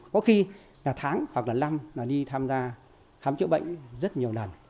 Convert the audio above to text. có khi là tháng hoặc là năm là đi tham gia khám chữa bệnh rất nhiều lần